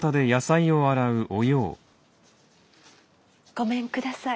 ごめんください。